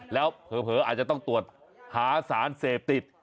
แล้วเผลออาจจะต้องตรวจหาสารเสพติด